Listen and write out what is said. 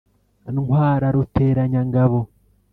ntwara ruteranyangabo.